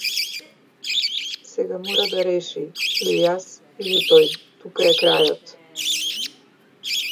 Сега мора да реши или јас или тој тука е крајот.